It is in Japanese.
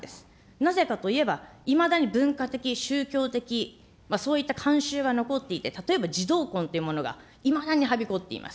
なぜかといえば、いまだに文化的、宗教的、そういった慣習が残っていて、例えば児童婚というものがいまだにはびこっています。